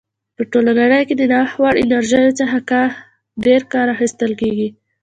په ټوله نړۍ کې د نوښت وړ انرژیو څخه ډېر کار اخیستل کیږي.